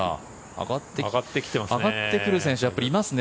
上がってくる選手いますね